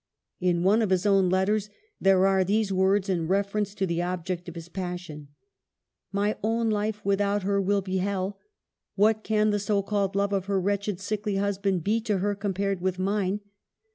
In one of his own letters there are these words in refer ence to the object of his passion: 'My own life without her will be hell. What can the so called love of her wretched sickly husband be to her compared with mine